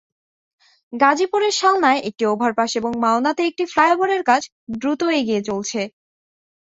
গাজীপুরের সালনায় একটি ওভারপাস এবং মাওনাতে একটি ফ্লাইওভারের কাজ দ্রুত এগিয়ে চলছে।